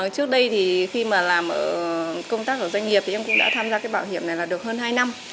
trước đây khi làm công tác ở doanh nghiệp em cũng đã tham gia bảo hiểm này được hơn hai năm